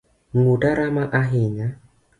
Nguta rama ahinya